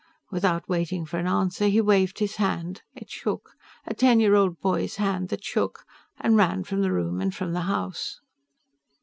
Without waiting for an answer, he waved his hand it shook; a ten year old boy's hand that shook and ran from the room and from the house.